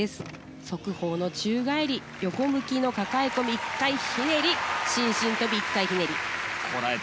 側方の宙返り横向きのかかえ込み１回ひねり伸身とび１回ひねり。